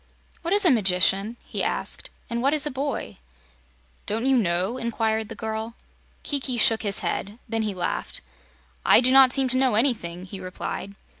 "What is a magician?" he asked, "and what is a boy?" "Don't you know?" inquired the girl. Kiki shook his head. Then he laughed. "I do not seem to know anything," he replied.